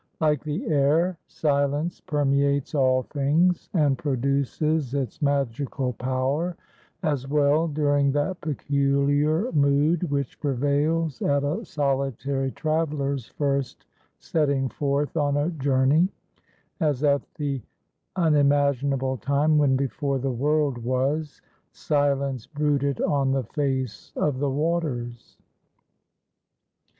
Like the air, Silence permeates all things, and produces its magical power, as well during that peculiar mood which prevails at a solitary traveler's first setting forth on a journey, as at the unimaginable time when before the world was, Silence brooded on the face of the waters.